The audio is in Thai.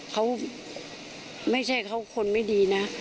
เขาไม่ใช่เขาคนไม่ดีนะ